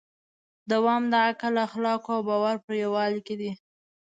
دوام د عقل، اخلاقو او باور په یووالي کې دی.